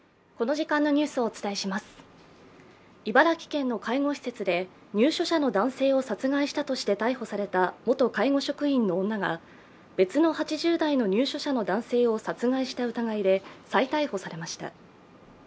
茨城県の介護施設で入所者の男性を殺害したとして逮捕された元介護職員の女が別の８０代の入所者の男性を殺害した疑いで再逮捕されました。